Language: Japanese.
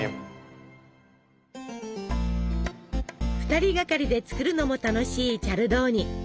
２人がかりで作るのも楽しいチャルドーニ。